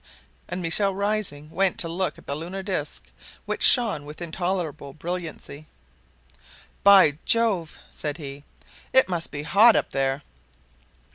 And Michel, rising, went to look at the lunar disc, which shone with intolerable brilliancy. "By Jove!" said he, "it must be hot up there!"